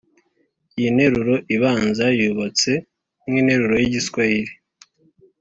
iyi nteruro ibanza yubatse nk’interuro y’igiswahiri